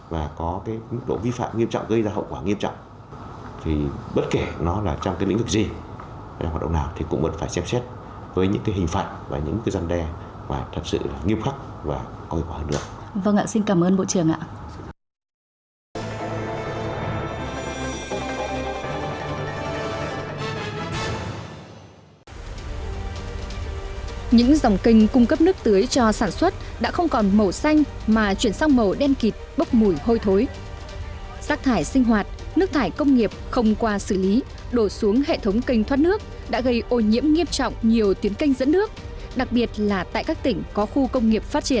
và có cái nguy cơ vi phạm nghiêm trọng gây ra hậu quả nghiêm trọng